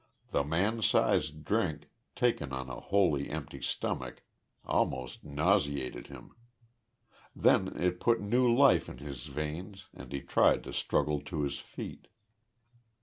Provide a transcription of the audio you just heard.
The man sized drink, taken on a totally empty stomach, almost nauseated him. Then it put new life in his veins and he tried to struggle to his feet.